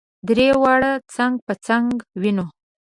درې واړه څنګ په څنګ وینو.